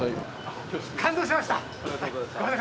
感動しました。